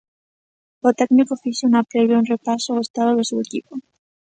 O técnico fixo na previa un repaso ao estado do seu equipo.